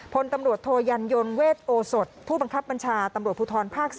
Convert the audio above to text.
ผลตำรวจโทญญญญผู้บังคับบัญชาตำรวจภูทรภ๔